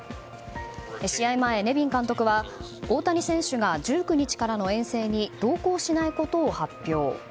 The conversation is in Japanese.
試合前、ネビン監督は大谷選手が１９日からの遠征に同行しないことを発表。